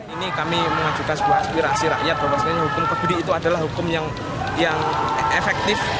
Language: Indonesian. ini kami mengajukan sebuah aspirasi rakyat bahwa hukum kebiri itu adalah hukum yang efektif